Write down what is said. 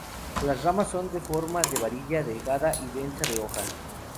Las ramas son en forma de varilla, delgada y densa de hojas.